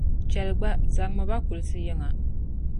Chɛli gba, zaŋmi ba kulisi yiŋa